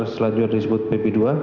selanjutnya disebut bb dua